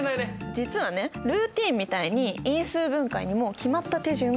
実はねルーティーンみたいに因数分解にも決まった手順があるの。